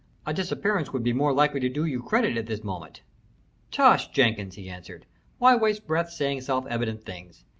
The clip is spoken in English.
"A disappearance would be more likely to do you credit at this moment." "Tush, Jenkins!" he answered. "Why waste breath saying self evident things?